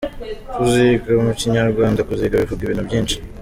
Kuziga : Mu Kinyarwanda kuziga bivuga ibintu byinshi.